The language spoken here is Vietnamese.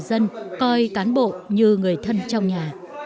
khiến người dân coi cán bộ như người thân trong nhà